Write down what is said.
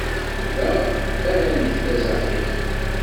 Da ara neg tazaxixt.